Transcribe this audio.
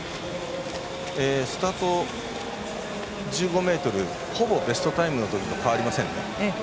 スタート、１５ｍほぼベストタイムのときと変わりませんね。